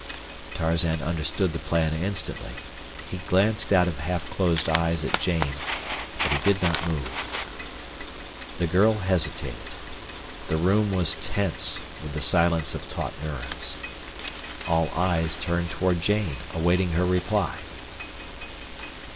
Tarzan understood the plan instantly. He glanced out of half closed eyes at Jane, but he did not move. The girl hesitated. The room was tense with the silence of taut nerves. All eyes turned toward Jane, awaiting her reply.